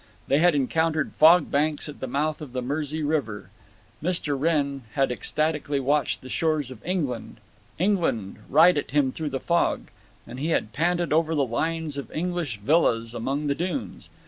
They had encountered fog banks at the mouth of the Mersey River. Mr. Wrenn had ecstatically watched the shores of England—England!—ride at him through the fog, and had panted over the lines of English villas among the dunes.